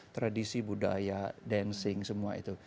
tradisi budaya dancing semua itu